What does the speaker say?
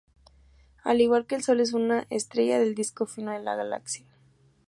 Al igual que el Sol, es una estrella del disco fino de la galaxia.